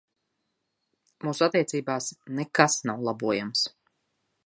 Mūsu attiecībās nekas nav labojams.